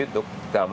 ini untuk apa